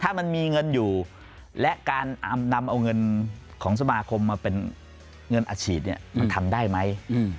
ถ้ามันมีเงินอยู่และการนำเอาเงินของสมาคมมาเป็นเงินอัดฉีดเนี่ยมันทำได้ไหม